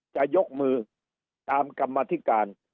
จะยกมือตามกรรมธิการ